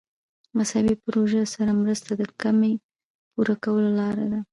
مذهبي پروژو سره مرسته د کمۍ پوره کولو لاره ده.